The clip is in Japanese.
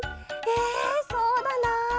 えそうだな。